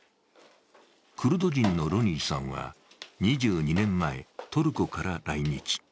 クルド人のロニーさんは、２２年前、トルコから来日。